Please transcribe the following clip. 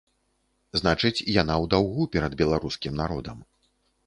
Значыць, яна ў даўгу перад беларускім народам.